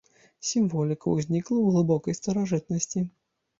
Сімволіка ўзнікла ў глыбокай старажытнасці.